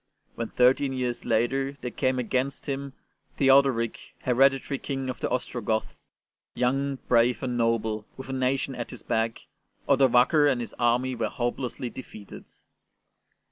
When, thirteen years later, there came against him Theodoric, hereditary King of the Ostrogoths, young, brave, and noble, with a nation at his back, Odovaker and his army were hopelessly defeated.